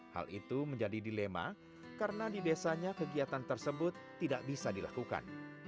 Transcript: hal itu menjadi dilema karena di desanya kegiatan tersebut tidak bisa dilakukan